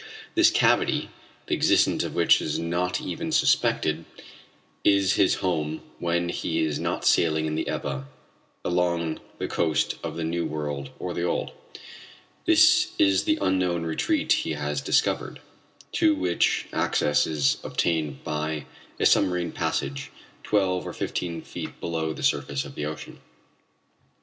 This cavity, the existence of which is not even suspected, is his home when he is not sailing in the Ebba along the coasts of the new world or the old. This is the unknown retreat he has discovered, to which access is obtained by a submarine passage twelve or fifteen feet below the surface of the ocean.